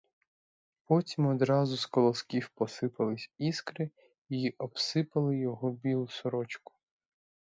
Потім одразу з колосків посипались іскри й обсипали його білу сорочку.